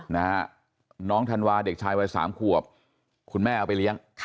น้องธันวาเด็กชายวัยสามขวบคุณแม่เอาไปเลี้ยง